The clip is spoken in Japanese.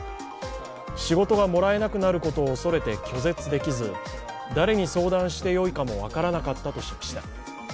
仕事がもらえなくなることを恐れて拒絶できず、誰に相談してよいかも分からなかったとしました。